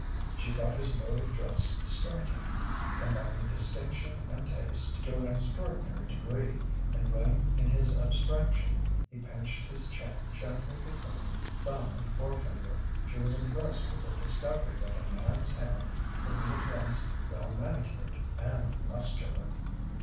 She thought his mode of dress striking, combining distinction and taste to an extraordinary degree.... And when in his abstraction he pinched his chin gently between thumb and forefinger, she was impressed with the discovery that a man's hand could be at once well manicured and muscular....